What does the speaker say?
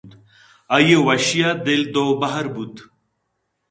آئی ءِ وشی ءَ دل دو بہر بوت